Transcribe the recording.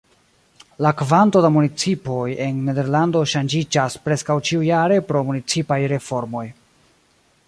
La kvanto da municipoj en Nederlando ŝanĝiĝas preskaŭ ĉiujare pro municipaj reformoj.